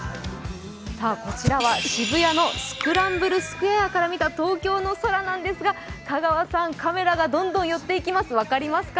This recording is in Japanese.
こちらは、渋谷のスクランブルスクエアから見た東京の空ですがカメラがどんどん寄っていきます、分かりますか？